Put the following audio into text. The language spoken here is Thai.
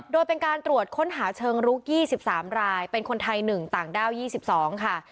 โดยเป็นการตรวจค้นหาเชิงลุก๒๓รายเป็นคนไทย๑ต่างด้าว๒๒ค่ะ